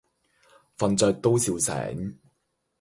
瞓著都笑醒